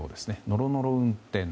ノロノロ運転。